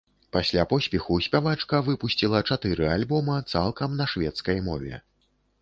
Пасля поспеху спявачка выпусціла чатыры альбома, цалкам на шведскай мове.